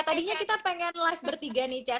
tadinya kita pengen live bertiga nih cak